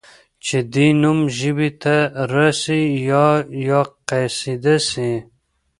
چي دي نوم ژبي ته راسي یا یا قصیده سي